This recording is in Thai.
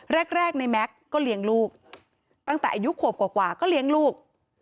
แรกในแม็กซ์ก็เลี้ยงลูกตั้งแต่อายุขวบกว่าก็เลี้ยงลูก